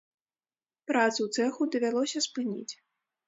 Працу ў цэху давялося спыніць.